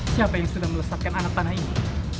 siapa yang sudah melesatkan anak tanah ini